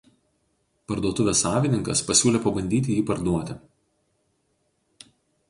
Parduotuvės savininkas pasiūlė pabandyti jį parduoti.